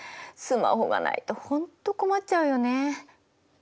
スマホがないと本当困っちゃうよね。